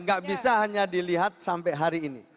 gak bisa hanya dilihat sampai hari ini